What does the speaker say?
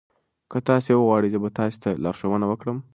که تاسي وغواړئ زه به تاسي ته لارښوونه وکړم.